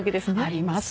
あります。